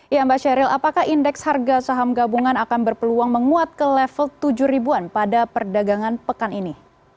ya mbak sheryl apakah indeks harga saham gabungan akan berpeluang menguat ke level tujuh ribuan pada perdagangan pekan ini